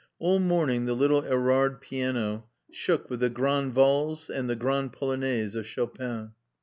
All morning the little Erad piano shook with the Grande Valse and the Grande Polonaise of Chopin.